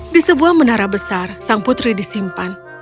di sebuah menara besar sang putri disimpan